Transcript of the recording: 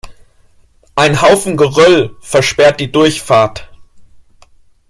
Ein Haufen Geröll versperrt die Durchfahrt.